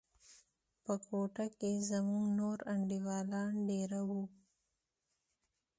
په کوټه کښې زموږ نور انډيوالان دېره وو.